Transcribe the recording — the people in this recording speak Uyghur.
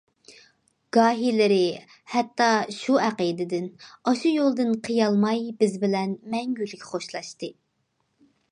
گاھىلىرى ھەتتا، شۇ ئەقىدىدىن، ئاشۇ يولدىن قىيالماي بىز بىلەن مەڭگۈلۈك خوشلاشتى.